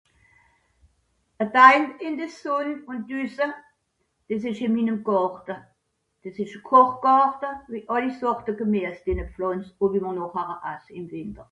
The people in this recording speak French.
gàrde